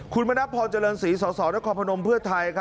คุณบนพเจริญศรีสบพันธมพไทย